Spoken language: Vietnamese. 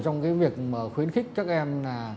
trong việc khuyến khích các em